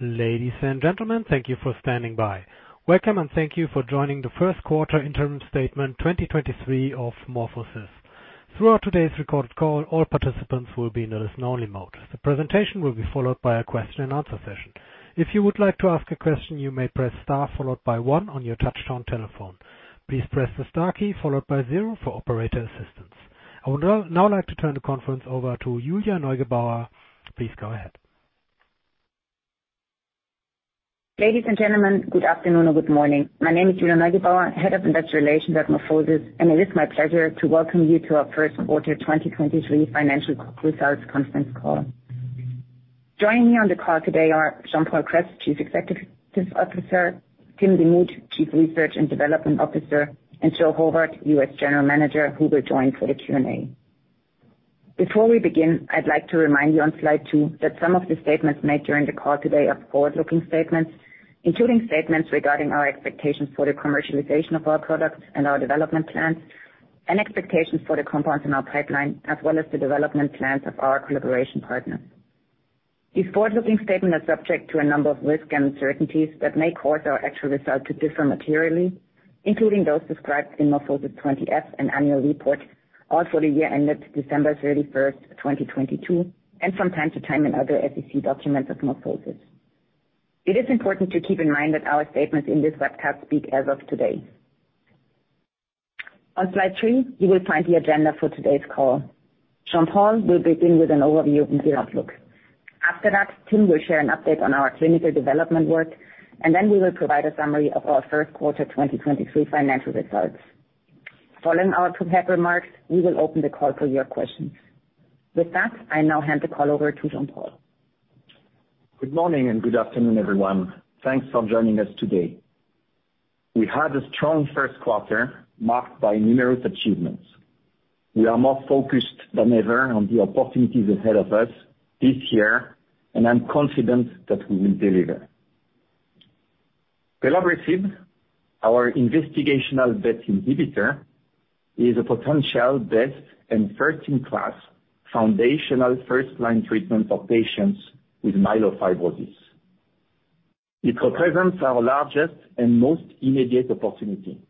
Ladies and gentlemen, thank you for standing by. Welcome, thank you for joining the first quarter interim statement 2023 of MorphoSys. Throughout today's recorded call, all participants will be in a listen-only mode. The presentation will be followed by a Q&A session. If you would like to ask a question, you may press star followed by one on your touchtone telephone. Please press the star key followed by zero for operator assistance. I would now like to turn the conference over to Julia Neugebauer. Please go ahead. Ladies and gentlemen, good afternoon or good morning. My name is Julia Neugebauer, Head of Investor Relations at MorphoSys. It is my pleasure to welcome you to our Q1 2023 financial results conference call. Joining me on the call today are Jean-Paul Kress, Chief Executive Officer, Tim Demuth, Chief Research and Development Officer, and Joe Horvat, U.S. General Manager, who will join for the Q&A. Before we begin, I'd like to remind you on slide two that some of the statements made during the call today are forward-looking statements, including statements regarding our expectations for the commercialization of our products and our development plans, and expectations for the compounds in our pipeline, as well as the development plans of our collaboration partners. These forward-looking statements are subject to a number of risks and uncertainties that may cause our actual results to differ materially, including those described in MorphoSys's Form 20-F and annual report for the year ended December 31, 2022, and from time to time in other SEC documents of MorphoSys. It is important to keep in mind that our statements in this webcast speak as of today. On slide three, you will find the agenda for today's call. Jean-Paul will begin with an overview of the outlook. After that, Tim will share an update on our clinical development work. Then we will provide a summary of our Q1 2023 financial results. Following our prepared remarks, we will open the call for your questions. With that, I now hand the call over to Jean-Paul. Good morning and good afternoon, everyone. Thanks for joining us today. We had a strong Q1 marked by numerous achievements. We are more focused than ever on the opportunities ahead of us this year. I'm confident that we will deliver. Pelabresib, our investigational BET inhibitor, is a potential best-in-first-in-class foundational first-line treatment for patients with myelofibrosis. It represents our largest and most immediate opportunity.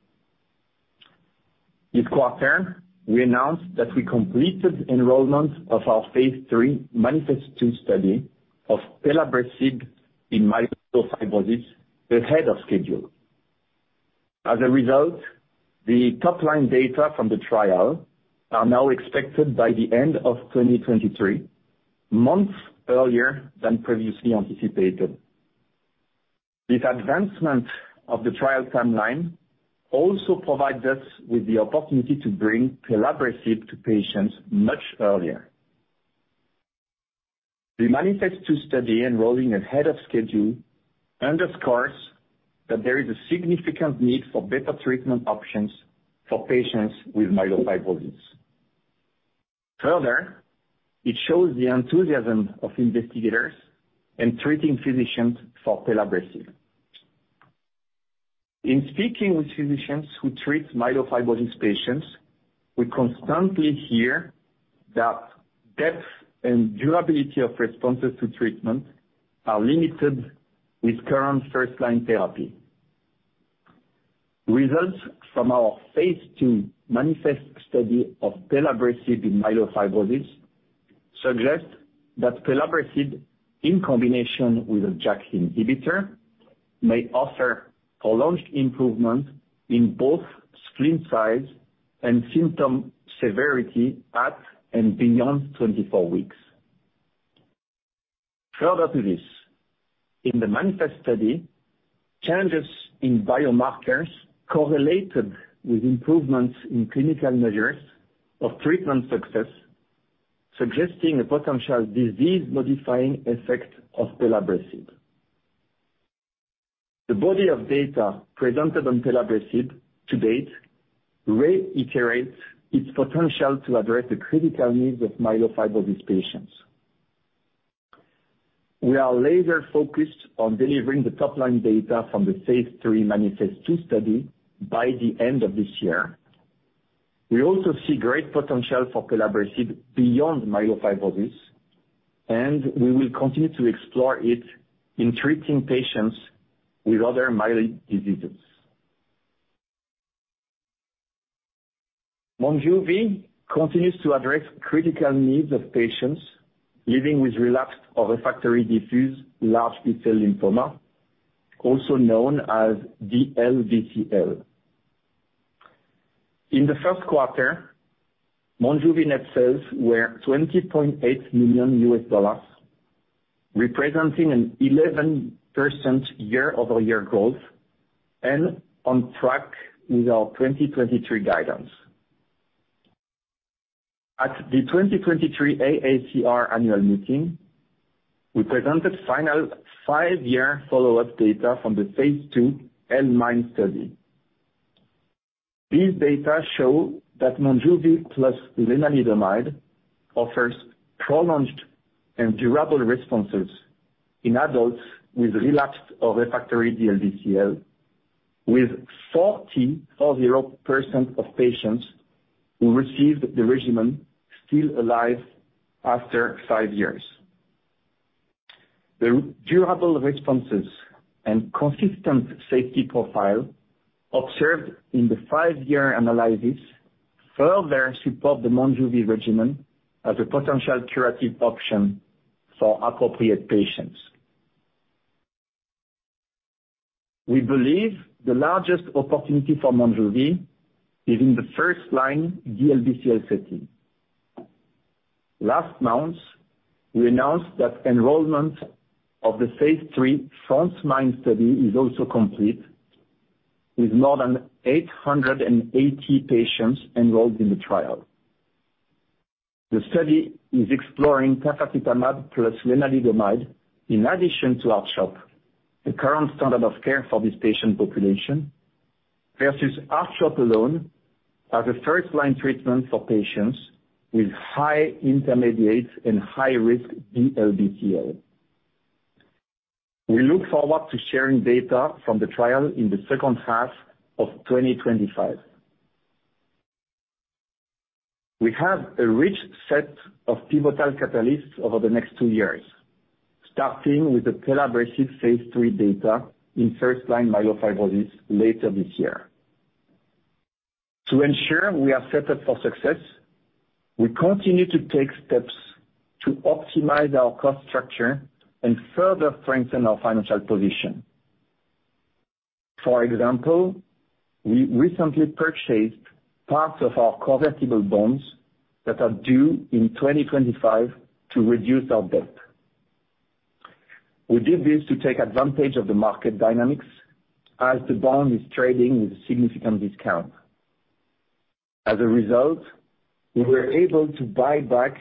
This quarter, we announced that we completed enrollment of our phase III MANIFEST-2 study of Pelabresib in myelofibrosis ahead of schedule. The top-line data from the trial are now expected by the end of 2023, months earlier than previously anticipated. This advancement of the trial timeline also provides us with the opportunity to bring Pelabresib to patients much earlier. The MANIFEST-2 study enrolling ahead of schedule underscores that there is a significant need for better treatment options for patients with myelofibrosis. It shows the enthusiasm of investigators in treating physicians for Pelabresib. In speaking with physicians who treat myelofibrosis patients, we constantly hear that depth and durability of responses to treatment are limited with current first-line therapy. Results from our phase II MANIFEST study of Pelabresib in myelofibrosis suggest that Pelabresib, in combination with a JAK inhibitor, may offer prolonged improvement in both spleen size and symptom severity at and beyond 24 weeks. In the MANIFEST study, changes in biomarkers correlated with improvements in clinical measures of treatment success, suggesting a potential disease-modifying effect of Pelabresib. The body of data presented on Pelabresib to date reiterates its potential to address the critical needs of myelofibrosis patients. We are laser-focused on delivering the top-line data from the phase III MANIFEST-2 study by the end of this year. We also see great potential for Pelabresib beyond myelofibrosis. We will continue to explore it in treating patients with other mild diseases. Monjuvi continues to address critical needs of patients living with relapsed or refractory diffuse large B-cell lymphoma, also known as DLBCL. In the Q1, Monjuvi net sales were $20.8 million, representing an 11% year-over-year growth and on track with our 2023 guidance. At the 2023 AACR annual meeting, we presented final five-year follow-up data from the phase II L-MIND study. These data show that Monjuvi plus lenalidomide offers prolonged and durable responses in adults with relapsed or refractory DLBCL, with 40% of patients who received the regimen still alive after five years. The durable responses and consistent safety profile observed in the five-year analysis further support the Monjuvi regimen as a potential curative option for appropriate patients. We believe the largest opportunity for Monjuvi is in the first-line DLBCL setting. Last month, we announced that enrollment of the phase III frontMIND study is also complete, with more than 880 patients enrolled in the trial. The study is exploring Tafasitamab plus lenalidomide in addition to R-CHOP, the current standard of care for this patient population, versus R-CHOP alone as a first-line treatment for patients with high intermediate and high risk DLBCL. We look forward to sharing data from the trial in the H2 of 2025. We have a rich set of pivotal catalysts over the next two years, starting with the Pelabresib phase III data in first-line myelofibrosis later this year. To ensure we are set up for success, we continue to take steps to optimize our cost structure and further strengthen our financial position. We recently purchased parts of our convertible bonds that are due in 2025 to reduce our debt. We did this to take advantage of the market dynamics as the bond is trading with a significant discount. We were able to buy back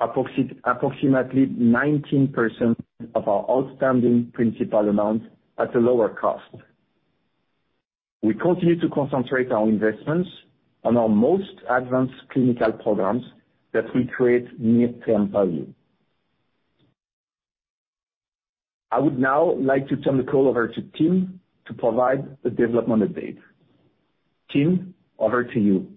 approximately 19% of our outstanding principal amount at a lower cost. We continue to concentrate our investments on our most advanced clinical programs that will create near-term value. I would now like to turn the call over to Tim to provide the development update. Tim, over to you.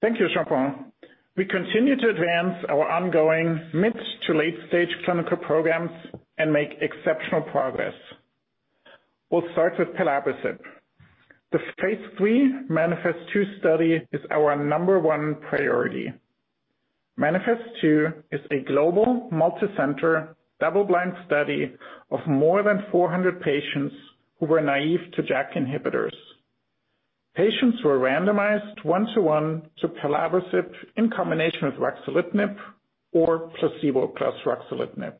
Thank you, Jean-Paul. We continue to advance our ongoing mid- to late-stage clinical programs and make exceptional progress. We'll start with Pelabresib. The phase III MANIFEST-2 study is our number one priority. MANIFEST-2 is a global, multicenter, double-blind study of more than 400 patients who were naive to JAK inhibitors. Patients were randomized one-to-one to Pelabresib in combination with ruxolitinib or placebo plus ruxolitinib.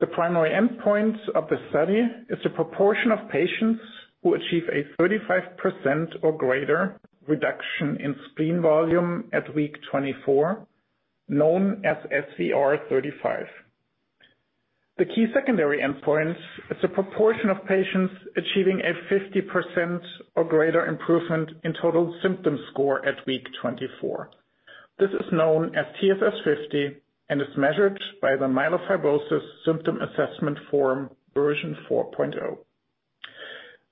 The primary endpoint of the study is the proportion of patients who achieve a 35% or greater reduction in spleen volume at week 24, known as SVR35. The key secondary endpoint is the proportion of patients achieving a 50% or greater improvement in total symptom score at week 24. This is known as TSS50 and is measured by the Myelofibrosis Symptom Assessment Form version 4.0.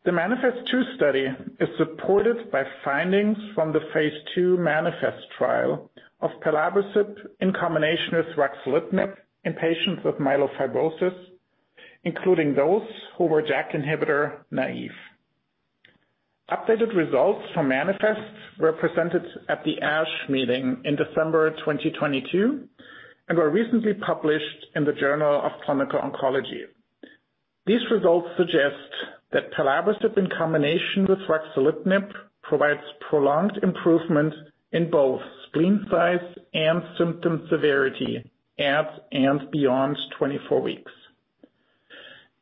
The MANIFEST-2 study is supported by findings from the phase II MANIFEST trial of Pelabresib in combination with ruxolitinib in patients with myelofibrosis, including those who were JAK inhibitor naive. Updated results from MANIFEST were presented at the ASH meeting in December 2022 and were recently published in the Journal of Clinical Oncology. These results suggest that Pelabresib in combination with ruxolitinib provides prolonged improvement in both spleen size and symptom severity at and beyond 24 weeks.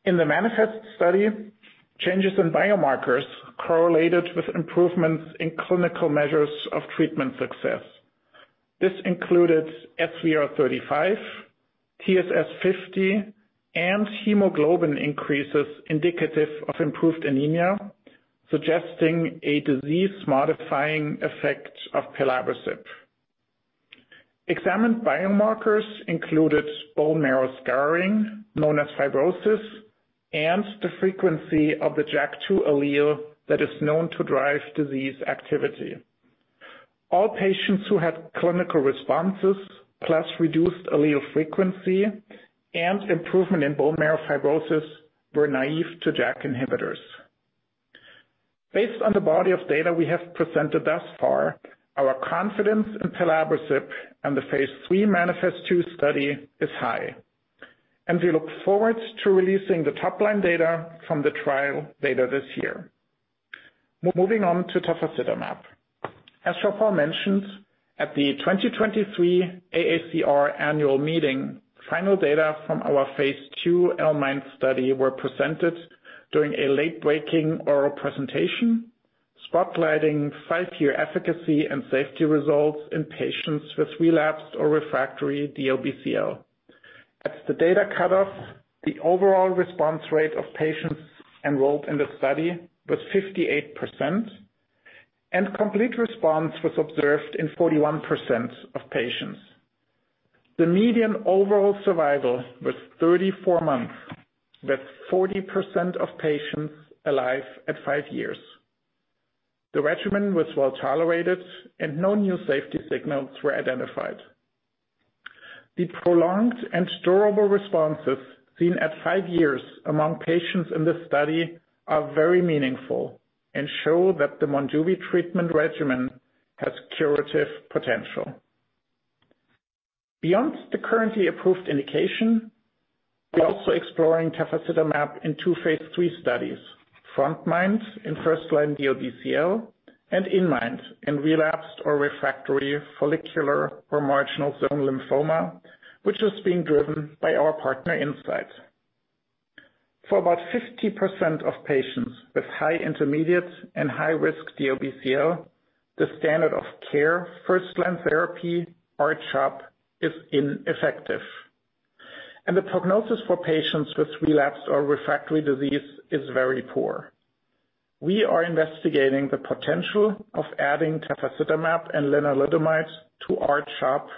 In the MANIFEST study, changes in biomarkers correlated with improvements in clinical measures of treatment success. This included SVR35, TSS50, and hemoglobin increases indicative of improved anemia, suggesting a disease-modifying effect of Pelabresib. Examined biomarkers included bone marrow scarring, known as fibrosis, and the frequency of the JAK2 allele that is known to drive disease activity. All patients who had clinical responses plus reduced allele frequency and improvement in bone marrow fibrosis were naive to JAK inhibitors. Based on the body of data we have presented thus far, our confidence in Pelabresib and the phase III MANIFEST-2 study is high, and we look forward to releasing the top-line data from the trial later this year. Moving on to Tafasitamab. As Jean-Paul mentioned, at the 2023 AACR annual meeting, final data from our phase II L-MIND study were presented during a late-breaking oral presentation, spotlighting five-year efficacy and safety results in patients with relapsed or refractory DLBCL. At the data cutoff, the overall response rate of patients enrolled in the study was 58%, and complete response was observed in 41% of patients. The median overall survival was 34 months, with 40% of patients alive at five years. The regimen was well-tolerated and no new safety signals were identified. The prolonged and durable responses seen at five years among patients in this study are very meaningful and show that the Monjuvi treatment regimen has curative potential. Beyond the currently approved indication, we're also exploring Tafasitamab in two phase III studies. frontMIND in first-line DLBCL, and inMIND in relapsed or refractory follicular or marginal zone lymphoma, which is being driven by our partner, Incyte. For about 50% of patients with high-intermediate and high-risk DLBCL, the standard of care first-line therapy, R-CHOP, is ineffective, and the prognosis for patients with relapsed or refractory disease is very poor. We are investigating the potential of adding Tafasitamab and lenalidomide to R-CHOP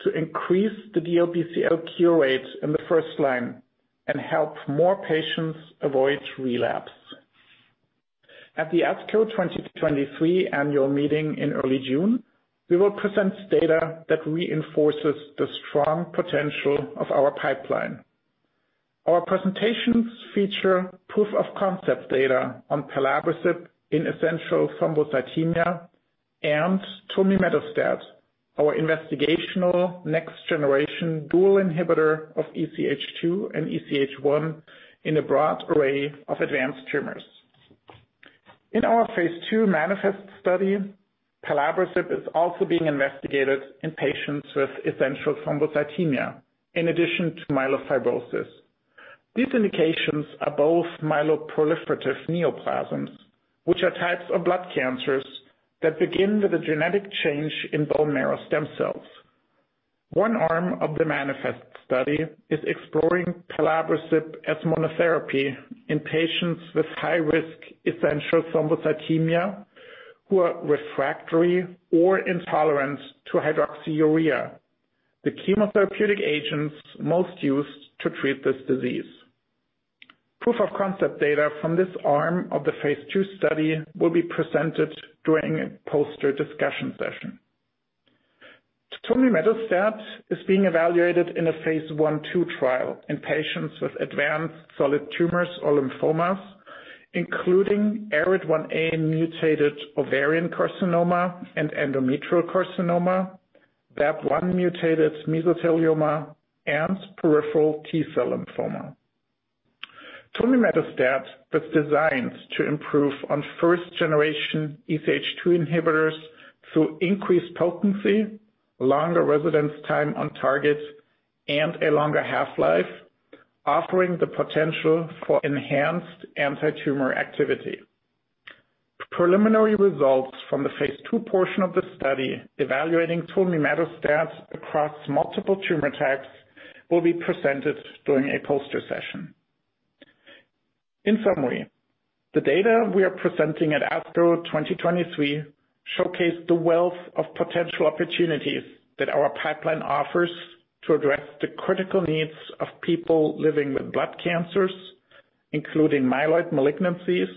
to increase the DLBCL cure rates in the first line and help more patients avoid relapse. At the ASCO 2023 annual meeting in early June, we will present data that reinforces the strong potential of our pipeline. Our presentations feature proof-of-concept data on Pelabresib in Essential Thrombocythemia and Tulmimetostat, our investigational next-generation dual inhibitor of EZH2 and EZH1 in a broad array of advanced tumors. In our phase II MANIFEST study, Pelabresib is also being investigated in patients with Essential Thrombocythemia in addition to Myelofibrosis. These indications are both Myeloproliferative Neoplasms, which are types of blood cancers that begin with a genetic change in bone marrow stem cells. One arm of the MANIFEST study is exploring Pelabresib as monotherapy in patients with high risk Essential Thrombocythemia who are refractory or intolerant to hydroxyurea, the chemotherapeutic agents most used to treat this disease. Proof-of-concept data from this arm of the phase II study will be presented during a poster discussion session. Tulmimetostat is being evaluated in a phase I,phase II trial in patients with advanced solid tumors or lymphomas, including ARID1A mutated ovarian carcinoma and endometrial carcinoma, BAP1 mutated mesothelioma, and peripheral T-cell lymphoma. Tulmimetostat was designed to improve on first generation EZH2 inhibitors through increased potency, longer residence time on targets, and a longer half-life, offering the potential for enhanced antitumor activity. Preliminary results from the phase II portion of the study evaluating Tulmimetostat across multiple tumor types will be presented during a poster session. In summary, the data we are presenting at ASCO 2023 showcase the wealth of potential opportunities that our pipeline offers to address the critical needs of people living with blood cancers, including myeloid malignancies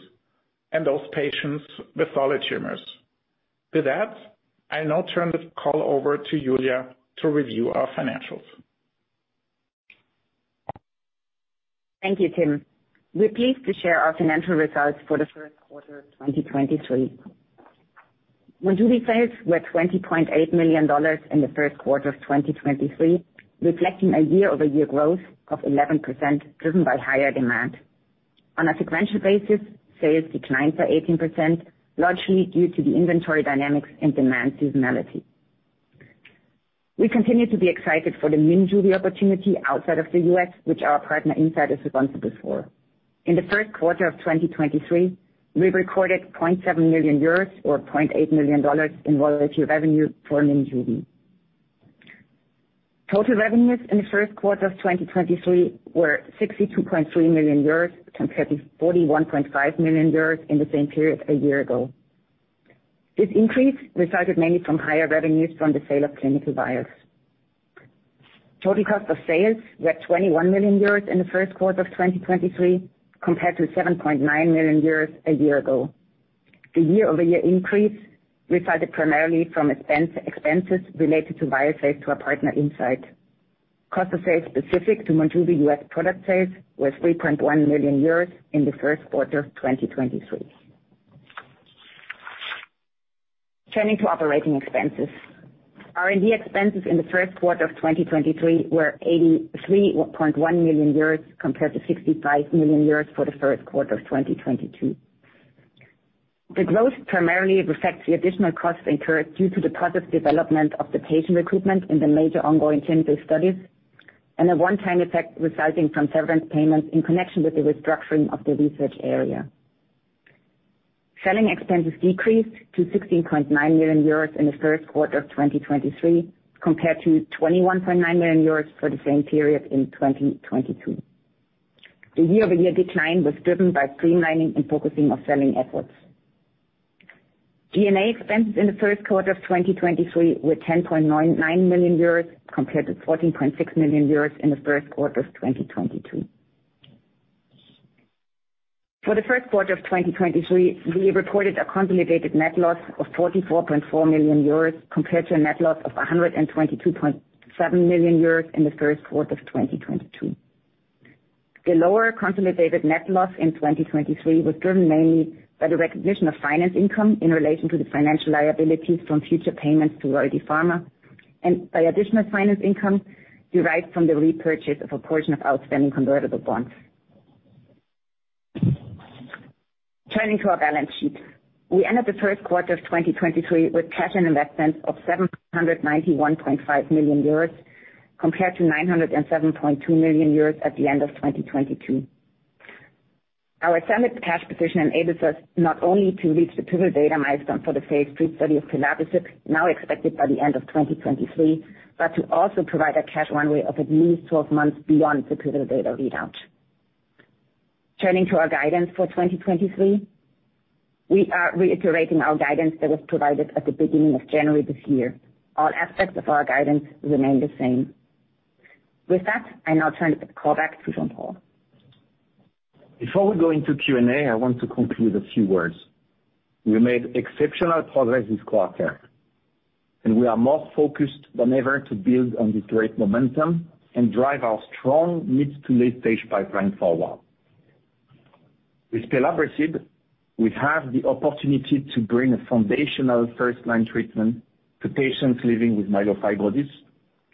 and those patients with solid tumors. With that, I'll now turn the call over to Julia to review our financials. Thank you, Tim. We're pleased to share our financial results for the Q1 of 2023. Monjuvi sales were $20.8 million in the Q1 of 2023, reflecting a year-over-year growth of 11%, driven by higher demand. On a sequential basis, sales declined by 18%, largely due to the inventory dynamics and demand seasonality. We continue to be excited for the Monjuvi opportunity outside of the U.S., which our partner Incyte is responsible for. In the Q1 of 2023, we recorded 0.7 million euros or $0.8 million in royalty revenue for Monjuvi. Total revenues in the Q1 of 2023 were 62.3 million euros, compared to 41.5 million euros in the same period a year ago. This increase resulted mainly from higher revenues from the sale of clinical vials. Total cost of sales were 21 million euros in the Q1 of 2023, compared to 7.9 million euros a year ago. The year-over-year increase resulted primarily from expenses related to vial sales to our partner Incyte. Cost of sales specific to Monjuvi U.S. product sales was 3.1 million euros in the Q1 of 2023. Turning to operating expenses. R&D expenses in the Q1 of 2023 were 83.1 million euros compared to 65 million euros for the Q1 of 2022. The growth primarily reflects the additional costs incurred due to the positive development of the patient recruitment in the major ongoing clinical studies, and a one-time effect resulting from severance payments in connection with the restructuring of the research area. Selling expenses decreased to 16.9 million euros in the Q1 of 2023, compared to 21.9 million euros for the same period in 2022. The year-over-year decline was driven by streamlining and focusing of selling efforts. G&A expenses in the Q1 of 2023 were 10.99 million euros compared to 14.6 million euros in the Q1 of 2022. For the Q1 of 2023, we reported a consolidated net loss of 44.4 million euros compared to a net loss of 122.7 million euros in the Q1 of 2022. The lower consolidated net loss in 2023 was driven mainly by the recognition of finance income in relation to the financial liabilities from future payments to Royalty Pharma and by additional finance income derived from the repurchase of a portion of outstanding convertible bonds. Turning to our balance sheet. We ended the Q1 of 2023 with cash and investments of 791.5 million euros compared to 907.2 million euros at the end of 2022. Our solid cash position enables us not only to reach the pivotal data milestone for the phase three study of Pelabresib, now expected by the end of 2023, but to also provide a cash runway of at least 12 months beyond the pivotal data readout. Turning to our guidance for 2023, we are reiterating our guidance that was provided at the beginning of January this year. All aspects of our guidance remain the same. With that, I now turn the call back to Jean-Paul. Before we go into Q&A, I want to conclude a few words. We made exceptional progress this quarter. We are more focused than ever to build on this great momentum and drive our strong needs to lead stage pipeline forward. With Pelabresib, we have the opportunity to bring a foundational first line treatment to patients living with myelofibrosis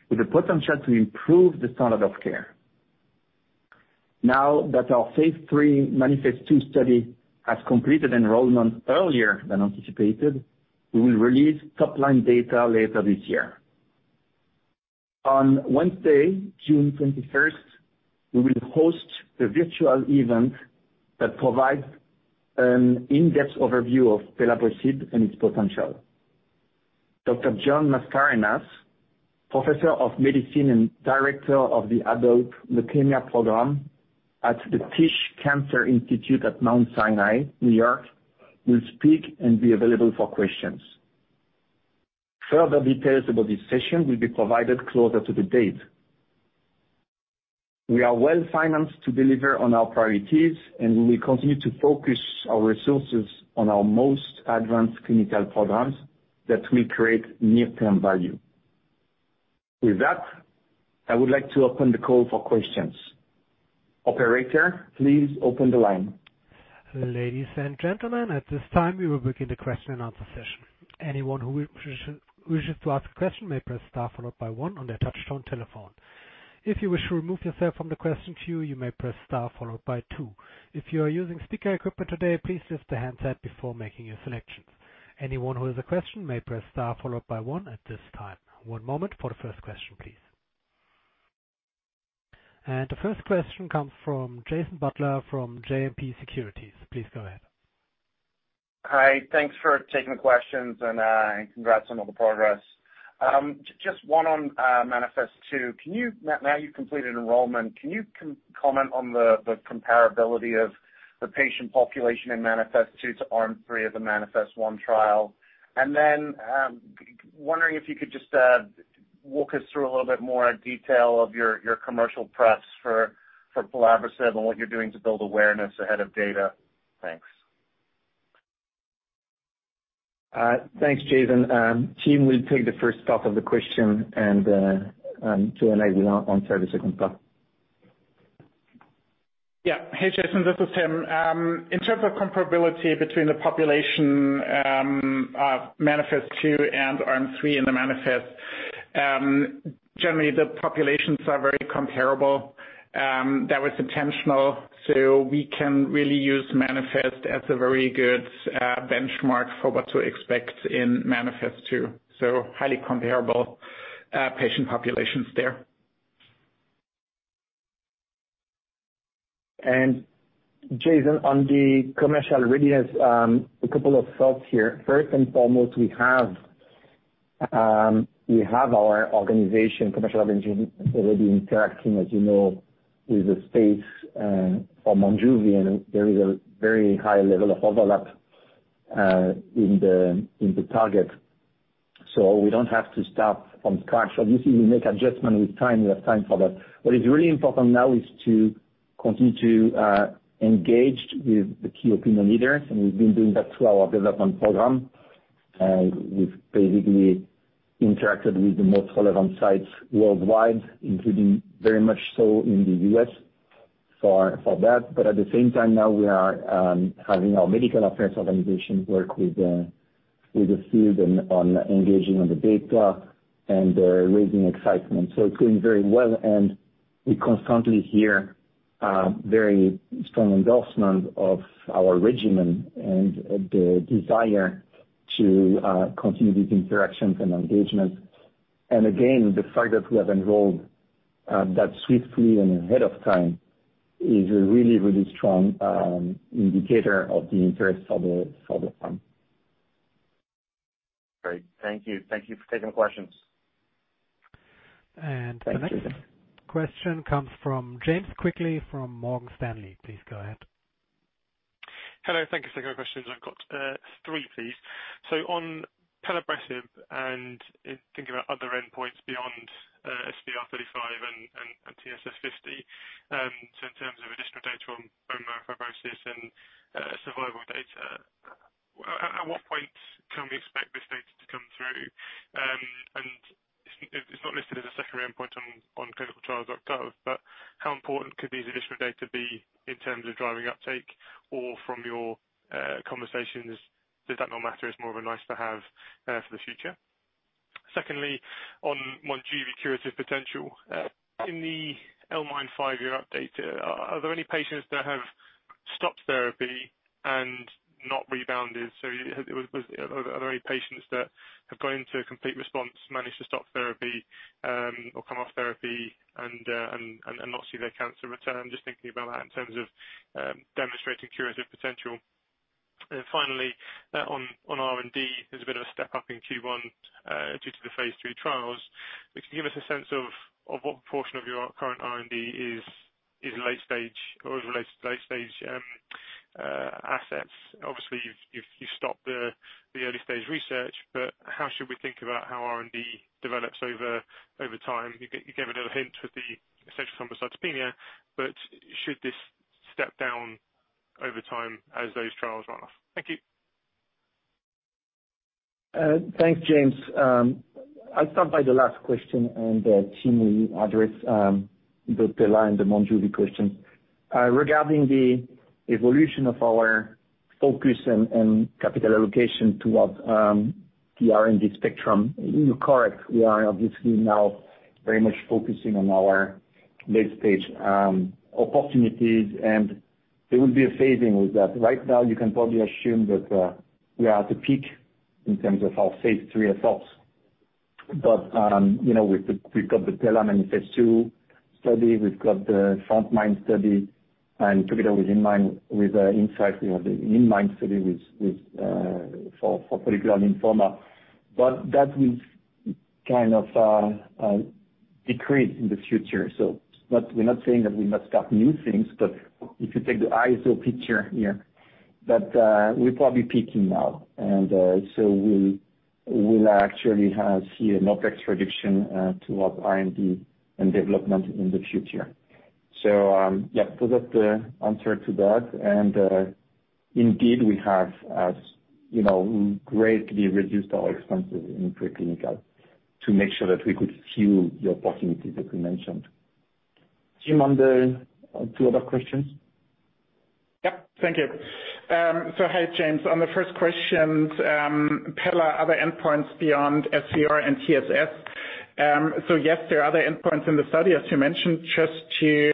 with the potential to improve the standard of care. Now that our Phase III MANIFEST-2 study has completed enrollment earlier than anticipated, we will release top-line data later this year. On Wednesday, June 21st 2023, we will host a virtual event that provides an in-depth overview of Pelabresib and its potential. Dr. John Mascarenhas, professor of medicine and director of the Adult Leukemia Program at The Tisch Cancer Institute at Mount Sinai, New York, will speak and be available for questions. Further details about this session will be provided closer to the date. We are well-financed to deliver on our priorities, we will continue to focus our resources on our most advanced clinical programs that will create near-term value. With that, I would like to open the call for questions. Operator, please open the line. Ladies and gentlemen, at this time, we will begin the Q&A session. Anyone who wishes to ask a question may press star followed by one on their touch-tone telephone. If you wish to remove yourself from the question queue, you may press star followed by two. If you are using speaker equipment today, please lift the handset before making your selections. Anyone who has a question may press star followed by one at this time. One moment for the first question, please. The first question comes from Jason Butler from JMP Securities. Please go ahead. Hi. Thanks for taking the questions and congrats on all the progress. Just one on MANIFEST-2. Now you've completed enrollment, can you comment on the comparability of the patient population in MANIFEST-2 to arm 3 of the MANIFEST trial? Wondering if you could just walk us through a little bit more detail of your commercial prep for Pelabresib and what you're doing to build awareness ahead of data. Thanks. Thanks, Jason. Tim will take the first half of the question and [I] will answer the second part. Hey, Jason, this is Tim. In terms of comparability between the population, MANIFEST-2 and arm 3 in the MANIFEST, generally the populations are very comparable. That was intentional, so we can really use MANIFEST as a very good benchmark for what to expect in MANIFEST-2. Highly comparable patient populations there. Jason, on the commercial readiness, a couple of thoughts here. First and foremost, we have our organization, commercial engine already interacting, as you know, with the space for Monjuvi, and there is a very high level of overlap in the target. We don't have to start from scratch. Obviously, we make adjustment with time. We have time for that. What is really important now is to continue to engage with the key opinion leaders, and we've been doing that through our development program. We've basically interacted with the most relevant sites worldwide, including very much so in the U.S. for that. At the same time now we are having our medical affairs organization work with the field on engaging on the data and raising excitement. It's going very well, and we constantly hear, very strong endorsement of our regimen and the desire to, continue these interactions and engagements. Again, the fact that we have enrolled, that swiftly and ahead of time is a really strong indicator of the interest for the, for the firm. Great. Thank you. Thank you for taking the questions. The next question comes from James Quigley from Morgan Stanley. Please go ahead. Hello. Thank you for taking my questions. I've got three, please. On Pelabresib and thinking about other endpoints beyond SVR35 and TSS50, in terms of additional data on bone marrow fibrosis and survival data, at what point can we expect this data to come through? It's not listed as a secondary endpoint on ClinicalTrials.gov, how important could these additional data be in terms of driving uptake or from your conversations, does that not matter, it's more of a nice-to-have for the future? Secondly, on Monjuvi curative potential, in the L-MIND five-year update, are there any patients that have stopped therapy and not rebounded? Are there any patients that have gone into a complete response, managed to stop therapy, or come off therapy and not see their cancer return? Just thinking about that in terms of demonstrating curative potential. Finally, on R&D, there's a bit of a step-up in Q1 due to the phase III trials. Can you give us a sense of what portion of your current R&D is late stage or is related to late-stage assets? Obviously, you've stopped the early-stage research, but how should we think about how R&D develops over time? You gave a little hint with the essential thrombocytopenia, but should this step down over time as those trials run off? Thank you. Thanks, James. I'll start by the last question. Tim will address both the line, the Monjuvi question. Regarding the evolution of our focus and capital allocation towards the R&D spectrum, you're correct. We are obviously now very much focusing on our late-stage opportunities, and there will be a phasing with that. Right now, you can probably assume that we are at the peak in terms of our phase III assaults. You know, we've got the Pelabresib MANIFEST-2 study. We've got the frontMIND study and together with Incyte, we have the inMIND study, which is for particular lymphoma. That will kind of decrease in the future. We're not saying that we must stop new things, but if you take the ISO picture here, that we're probably peaking now. We'll actually see an OpEx reduction towards R&D and development in the future. That's the answer to that. Indeed, we have, as you know, greatly reduced our expenses in pre-clinical to make sure that we could fuel the opportunities that we mentioned. Tim, on the two other questions. Yeah. Thank you. Hi, James. On the first question, Pelabresib, other endpoints beyond SVR and TSS. Yes, there are other endpoints in the study, as you mentioned. Just to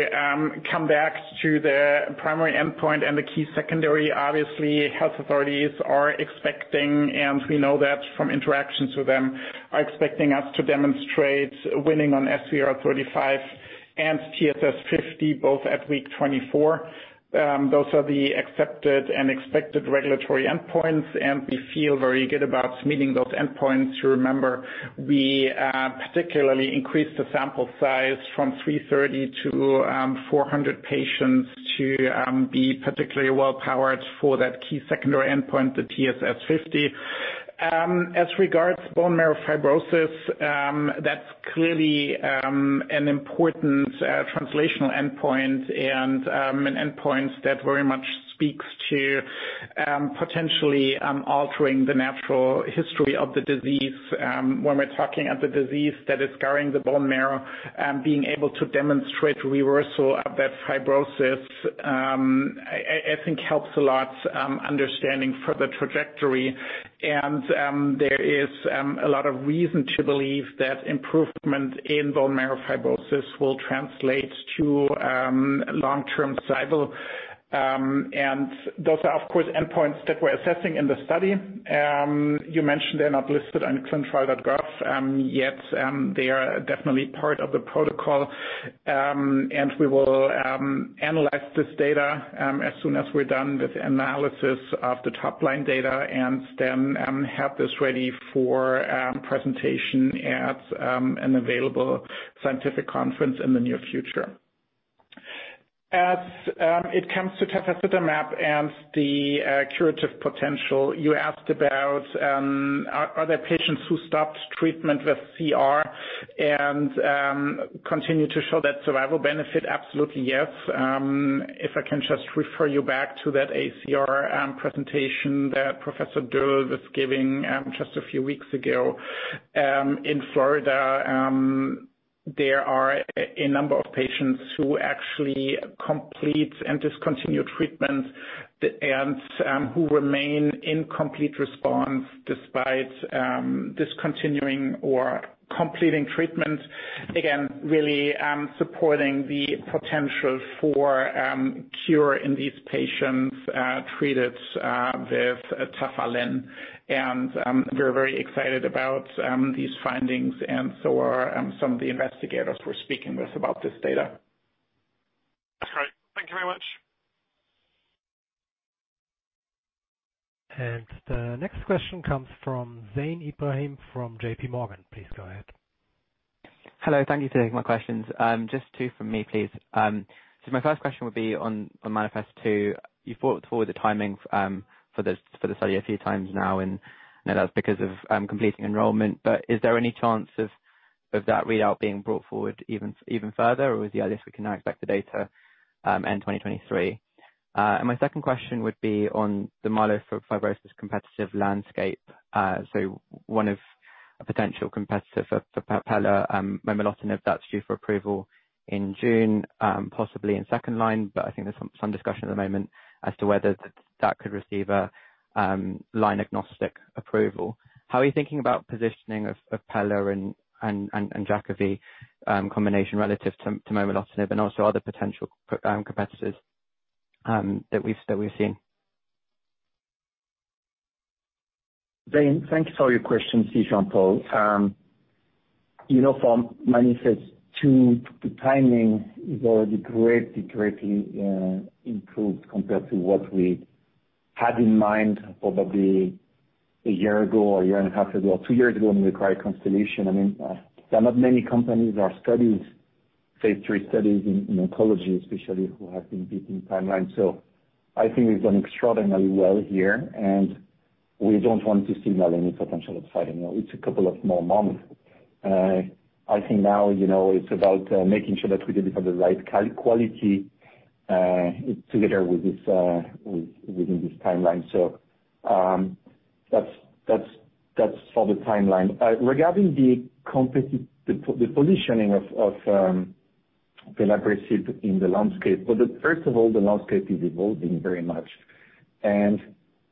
come back to the primary endpoint and the key secondary, obviously, health authorities are expecting, and we know that from interactions with them, are expecting us to demonstrate winning on SVR35 and TSS50, both at week 24. Those are the accepted and expected regulatory endpoints, and we feel very good about meeting those endpoints. Remember, we particularly increased the sample size from 330-400 patients to be particularly well-powered for that key secondary endpoint, the TSS50. As regards bone marrow fibrosis, that's clearly an important translational endpoint and an endpoint that very much speaks to potentially altering the natural history of the disease. When we're talking of the disease that is scarring the bone marrow, being able to demonstrate reversal of that fibrosis, I think helps a lot understanding further trajectory. There is a lot of reason to believe that improvement in bone marrow fibrosis will translate to long-term survival. Those are, of course, endpoints that we're assessing in the study. You mentioned they're not listed on ClinicalTrials.gov yet, they are definitely part of the protocol. We will analyze this data as soon as we're done with analysis of the top-line data and then have this ready for presentation at an available scientific conference in the near future. As it comes to Tafasitamab and the curative potential, you asked about, are there patients who stopped treatment with CR and continue to show that survival benefit? Absolutely, yes. If I can just refer you back to that ACR presentation that Professor Durr was giving just a few weeks ago in Florida, there are a number of patients who actually complete and discontinue treatment and who remain in complete response despite discontinuing or completing treatment. Again, really supporting the potential for cure in these patients treated with TafaLin. We're very excited about these findings, and so are some of the investigators we're speaking with about this data. The next question comes from Zain Ebrahim from JPMorgan. Please go ahead. Hello. Thank you for taking my questions. Just two from me, please. My first question would be on MANIFEST-2. You brought forward the timing for the study a few times now, and I know that's because of completing enrollment, but is there any chance of that readout being brought forward even further, or is the earliest we can now expect the data end 2023? My second question would be on the myelofibrosis competitive landscape. One of a potential competitor for Pelabresib, Momelotinib that's due for approval in June, possibly in second line, but I think there's some discussion at the moment as to whether that could receive a line agnostic approval. How are you thinking about positioning of Pelabresib and JAK inhibitor combination relative to Momelotinib and also other potential competitors, that we've seen? Zane, thank you for your questions. This is Jean-Paul. You know, from MANIFEST-2, the timing is already greatly improved compared to what we had in mind probably a year ago or a year and a half ago or two years ago when we acquired Constellation. I mean, there not many companies or studies, phase III studies in oncology especially who have been beating timelines. I think we've done extraordinarily well here, and we don't want to signal any potential of sliding. You know, it's a couple of small months. I think now, you know, it's about making sure that we deliver the right quality together within this timeline. That's for the timeline. Regarding the positioning of Pelabresib in the landscape. The first of all, the landscape is evolving very much, and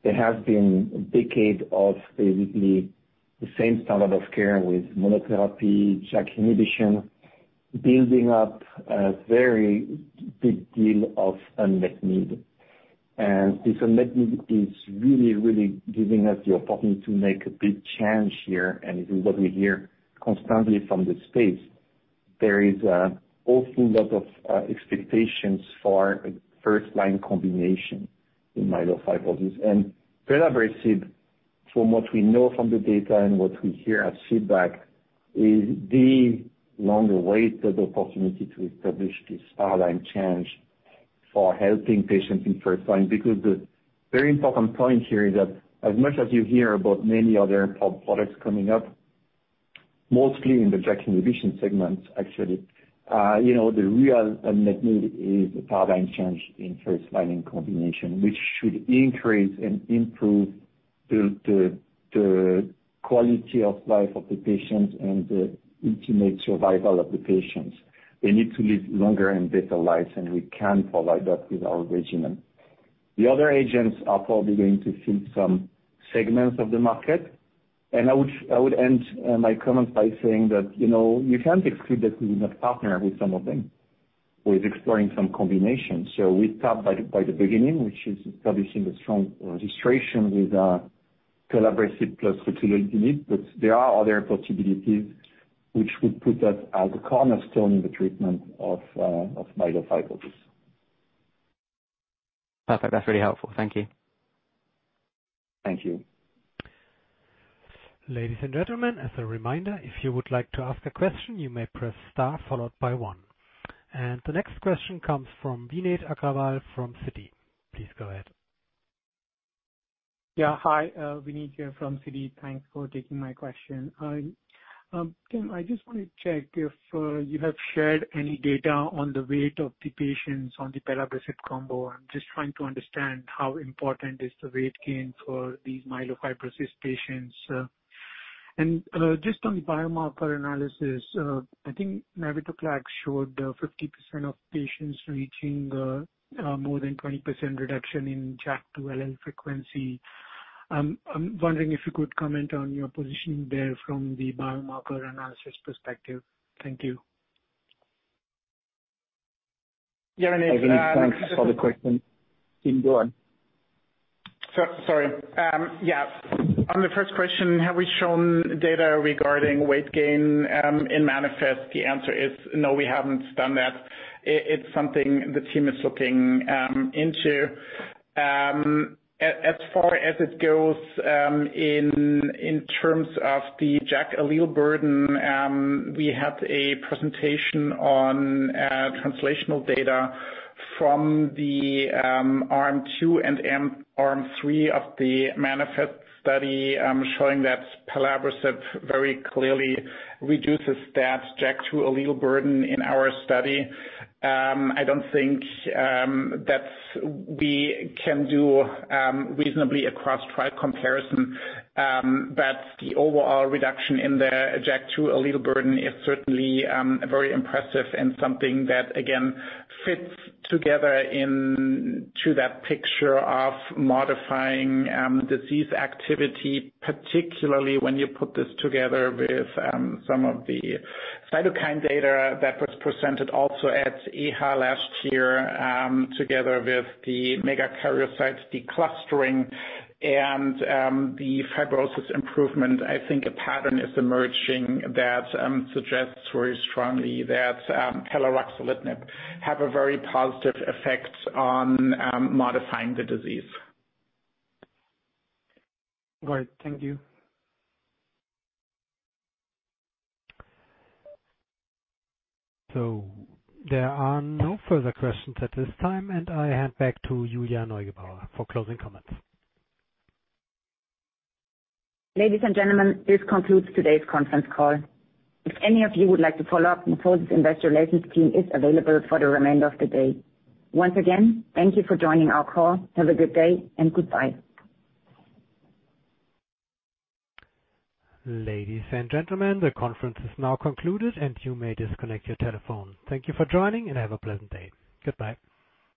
there has been a decade of basically the same standard of care with monotherapy, JAK inhibition, building up a very big deal of unmet need. This unmet need is really giving us the opportunity to make a big change here. This is what we hear constantly from the space. There is a awful lot of expectations for a first line combination in myelofibrosis. Pelabresib, from what we know from the data and what we hear as feedback, is the long-awaited opportunity to establish this paradigm change for helping patients in first line. The very important point here is that as much as you hear about many other products coming up, mostly in the JAK inhibition segments, actually, you know, the real unmet need is a paradigm change in first lining combination, which should increase and improve the quality of life of the patients and the intimate survival of the patients. They need to live longer and better lives, and we can provide that with our regimen. The other agents are probably going to fill some segments of the market. I would end my comments by saying that, you know, you can't exclude that we would not partner with some of them with exploring some combinations. We start by the beginning, which is establishing a strong registration with Pelabresib plus ruxolitinib, but there are other possibilities which would put us as a cornerstone in the treatment of myelofibrosis. Perfect. That's really helpful. Thank you. Thank you. Ladies and gentlemen, as a reminder, if you would like to ask a question, you may press star followed by one. The next question comes from Vineet Kalra from Citi. Please go ahead. Yeah. Hi, Vineet here from Citi. Thanks for taking my question. Tim, I just want to check if you have shared any data on the weight of the patients on the Pelabresib combo. I'm just trying to understand how important is the weight gain for these myelofibrosis patients. Just on the biomarker analysis, I think navitoclax showed 50% of patients reaching more than 20% reduction in JAK2 allele frequency. I'm wondering if you could comment on your positioning there from the biomarker analysis perspective. Thank you. Yeah. Thanks for the question. Please go on. Sorry. Yeah. On the first question, have we shown data regarding weight gain in MANIFEST? The answer is no, we haven't done that. It's something the team is looking into. As far as it goes, in terms of the JAK allele burden, we had a presentation on translational data from the arm 2 and arm 3 of the MANIFEST study, showing that Pelabresib very clearly reduces that JAK2 allele burden in our study. I don't think that we can do reasonably across trial comparison. The overall reduction in the JAK2 allele burden is certainly very impressive and something that again fits together into that picture of modifying disease activity, particularly when you put this together with some of the cytokine data that was presented also at EHA last year, together with the megakaryocytes declustering and the fibrosis improvement. I think a pattern is emerging that suggests very strongly that Pela ruxolitinib have a very positive effect on modifying the disease. Great. Thank you. There are no further questions at this time, and I hand back to Julia Neugebauer for closing comments. Ladies and gentlemen, this concludes today's conference call. If any of you would like to follow up, MorphoSys investor relations team is available for the remainder of the day. Once again, thank you for joining our call. Have a good day and goodbye. Ladies and gentlemen, the conference is now concluded, and you may disconnect your telephone. Thank you for joining, and have a pleasant day. Goodbye.